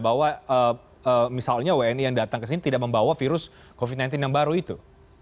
bahwa misalnya wni yang datang ke sini tidak membawa virus covid sembilan belas yang baru itu